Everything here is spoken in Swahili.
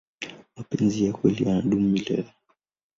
mapenzi ya kweli yanadumu milele